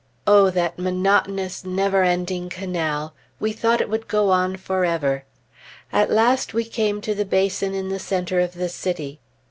Oh, that monotonous, never ending canal! We thought it would go on forever. At last we came to the basin in the centre of the city.